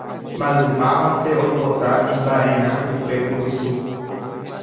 Maymávante oipota imba'erã upe kurusu